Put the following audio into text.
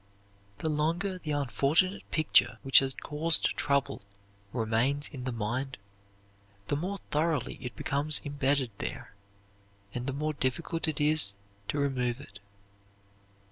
The longer the unfortunate picture which has caused trouble remains in the mind, the more thoroughly it becomes imbedded there, and the more difficult it is to remove it.